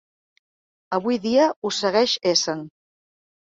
Avui dia ho segueix essent.